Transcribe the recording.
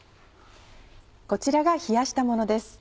こちらが冷やしたものです。